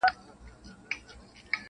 • هر یو ټکی یې ګلګون دی نازوه مي -